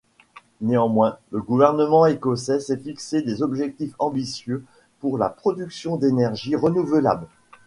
Néanmoins, le gouvernement écossais s'est fixé des objectifs ambitieux pour la production d'énergie renouvelable.